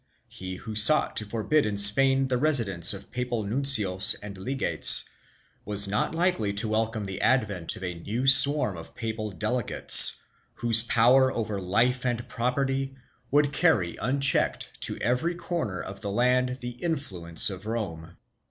He who sought to forbid in Spain the residence of papal nuncios and legates was not likely to welcome the advent of a new swarm of papal delegates, whose power over life and property would carry unchecked to every corner of the land the influence of Rome.